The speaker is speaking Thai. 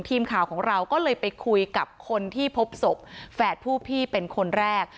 ทีมข่าวของเราก็เลยไปคุยกับคนที่พบศพแฝดผู้พี่เป็นคนแรก